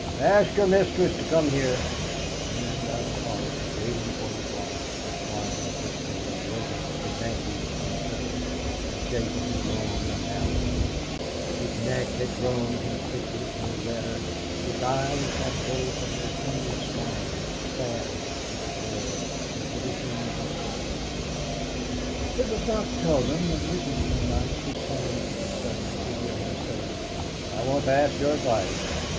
"Ask your mistress to come here." Standing by the hearth, waiting for his wife, the Squire displayed to greater advantage than ever the shape of his long and narrow head; his neck had grown conspicuously redder; his eyes, like those of an offended swan, stabbed, as it were, at everything they saw. It was not seldom that Mrs. Pendyce was summoned to the study to hear him say: "I want to ask your advice.